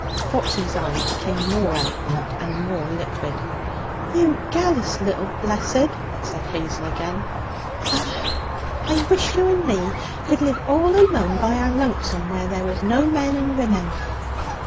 Foxy's eyes became more eloquent and more liquid. 'You gallus little blessed!' said Hazel again. 'Eh! I wish you and me could live all alone by our lonesome where there was no men and women.'